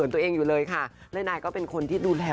นายจะหลังนายจะเรียกคนว่า